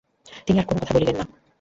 তিনি আর কোনো কথা বলিলেন না।